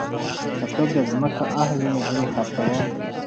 که څوک داځمکه اخلي زه يې خرڅوم.